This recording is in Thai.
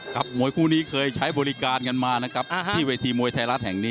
มวยคู่นี้เคยใช้บริการกันมานะครับที่เวทีมวยไทยรัฐแห่งนี้